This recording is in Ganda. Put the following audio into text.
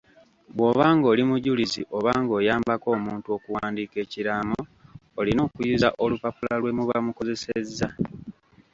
Bw’oba ng’oli mujulizi oba ng’oyambako omuntu okuwandiika ekiraamo olina okuyuza olupapula lwemuba mukozesezza.